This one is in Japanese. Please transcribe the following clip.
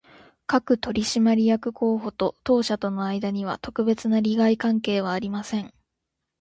各取締役候補と当社との間には、特別な利害関係はありません